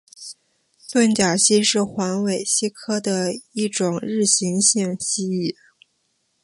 盾甲蜥是环尾蜥科的一种日行性蜥蜴。